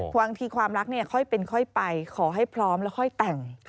บางทีความรักค่อยเป็นค่อยไปขอให้พร้อมแล้วค่อยแต่ง